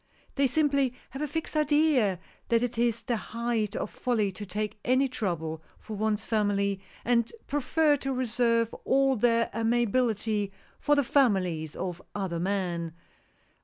They simply have a fixed idea that it is the height of folly to take any trouble for one's family, and prefer to reserve all their amiability for the families of other men.